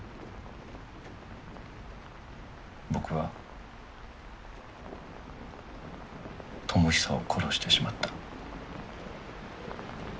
僕は智久を殺してしまった。